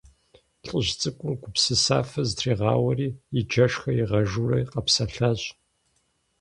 ЛӀыжь цӀыкӀум гупсысафэ зытригъауэри, и джэшхэр игъажэурэ къэпсэлъащ.